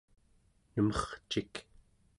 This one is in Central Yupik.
nemercik